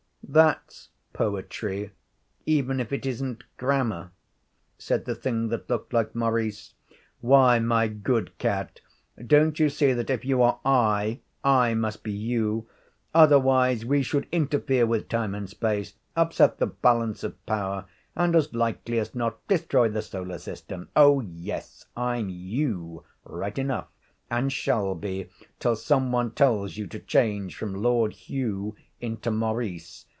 'That's poetry, even if it isn't grammar,' said the thing that looked like Maurice. 'Why, my good cat, don't you see that if you are I, I must be you? Otherwise we should interfere with time and space, upset the balance of power, and as likely as not destroy the solar system. Oh, yes I'm you, right enough, and shall be, till some one tells you to change from Lord Hugh into Maurice.